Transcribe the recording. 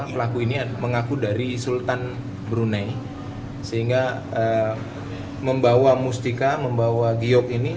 pelaku ini mengaku dari sultan brunei sehingga membawa mustika membawa giyok ini